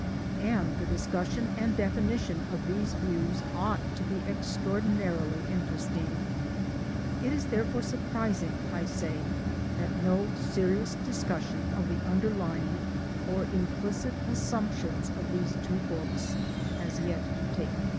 And the discussion and definition of these views ought to be extraordinarily; interesting. It is therefore surprising I say that nQ serious discussion of the underlying or implicit assumptions of these two books has yet taken place.